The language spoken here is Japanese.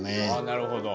なるほど。